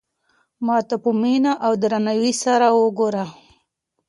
ما ته په مینه او درناوي سره وگوره.